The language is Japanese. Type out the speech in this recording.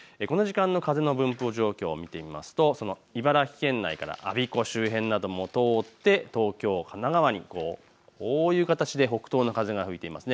この時間の風の分布状況を見てみますと茨城県内から我孫子周辺なども通って東京、神奈川にこういう形で北東の風が吹いています。